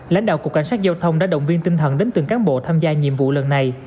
lãnh đạo cục cảnh sát giao thông đã động viên tinh thần đến từng cán bộ tham gia nhiệm vụ lần này